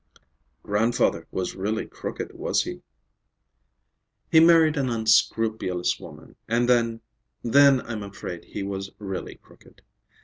"Grandfather was really crooked, was he?" "He married an unscrupulous woman, and then—then I'm afraid he was really crooked.